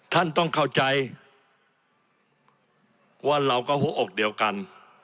ท่านต้องเข้าใจว่าเราก็หัวอกเดียวกัน